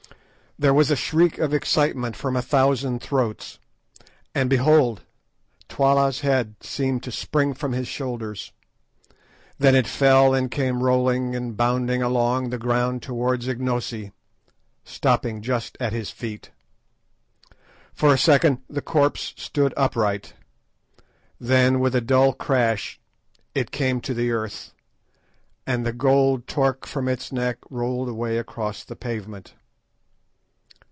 There was a shriek of excitement from a thousand throats, and, behold! Twala's head seemed to spring from his shoulders: then it fell and came rolling and bounding along the ground towards Ignosi, stopping just at his feet. For a second the corpse stood upright; then with a dull crash it came to the earth, and the gold torque from its neck rolled away across the pavement.